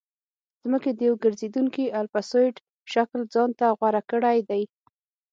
ځمکې د یو ګرځېدونکي الپسویډ شکل ځان ته غوره کړی دی